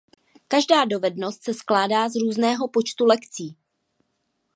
Každá dovednost se skládá z různého počtu lekcí.